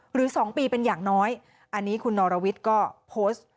หรือ๒ปีเป็นอย่างน้อยอันนี้คุณนรวิทย์ก็โพสต์